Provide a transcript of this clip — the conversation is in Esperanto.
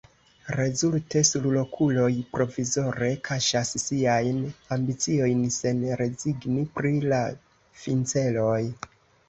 Rezulte surlokuloj provizore kaŝas siajn ambiciojn, sen rezigni pri la finceloj.